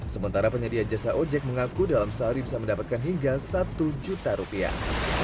sementara penyedia jasa ojek mengaku dalam sehari bisa mendapatkan hingga satu juta rupiah